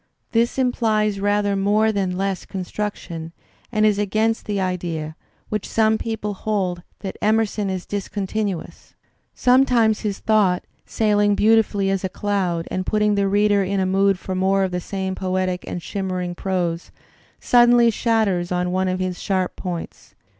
This implies rather more than less construction and is against the idea, which some people hold, that Emerson is discontinuous. Sometimes his thought, sailing beautifully as a cloud and putting the reader in a mood for more of the same poetic and shimmering prose, suddenly shatters on one of his sharp points.